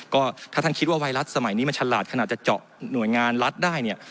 ก็ถ้าท่านคิดว่าไวรัสสมัยนี้มันฉลาดขนาดจะเจาะหน่วยงานรัฐได้เนี่ย